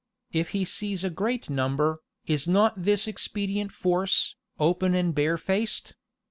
If he seize a great number, is not this expedient force, open and barefaced?